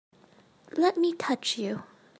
Let me touch you!